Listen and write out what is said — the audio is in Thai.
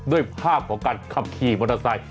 ด้วยภาพของการขับขี่มอเตอร์ไซค